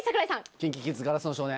ＫｉｎＫｉＫｉｄｓ『硝子の少年』。